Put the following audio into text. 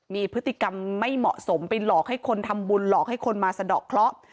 มีพฤติกรรมไม่เหมาะสมไปหลอกให้คนทำบุญหลอกให้คนมาสะดอกเคราะห์